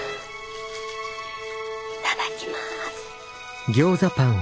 いただきます。